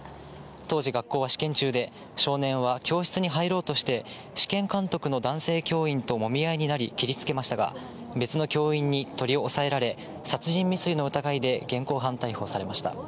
当時学校は試験中で、少年は教室に入ろうとして、試験監督の男性教員ともみ合いになり切りつけましたが、別の教員に取り押さえられ、殺人未遂の疑いで現行犯逮捕されました。